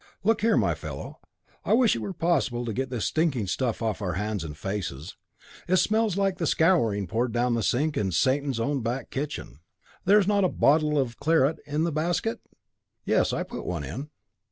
Look here, my dear fellow. I wish it were possible to get this stinking stuff off our hands and faces; it smells like the scouring poured down the sink in Satan's own back kitchen. Is there not a bottle of claret in the basket?" "Yes, I put one in."